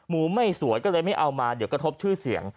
หมูไม่สวยก็เลยไม่เอามาเดี๋ยวกระทบชื่อเสียง